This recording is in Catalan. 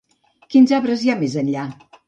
Quins arbres hi havia més enllà?